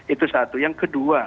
itu satu yang kedua